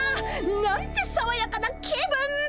なんてさわやかな気分。